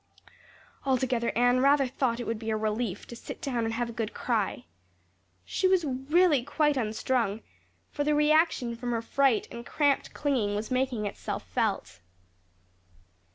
Altogether, Anne rather thought it would be a relief to sit down and have a good cry. She was really quite unstrung, for the reaction from her fright and cramped clinging was making itself felt.